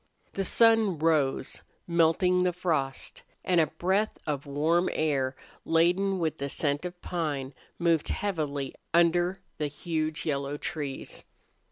The sun rose, melting the frost, and a breath of warm air, laden with the scent of pine, moved heavily under the huge, yellow trees.